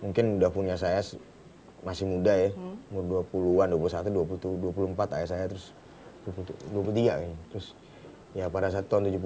mungkin udah punya saya masih muda ya umur dua puluh an dua puluh satu dua puluh empat ayah saya terus dua puluh tiga terus ya pada saat tahun seribu sembilan ratus